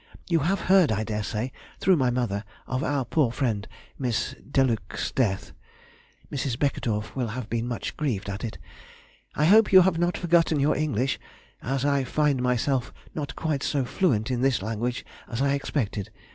You have heard, I daresay, through my mother, of our poor friend, Miss Deluc's death. Mrs. Beckedorff will have been much grieved at it. I hope you have not forgotten your English, as I find myself not quite so fluent in this language as I expected.